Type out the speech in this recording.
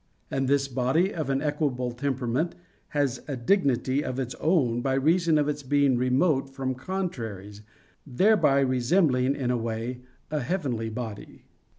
And this body of an equable temperament has a dignity of its own by reason of its being remote from contraries, thereby resembling in a way a heavenly body.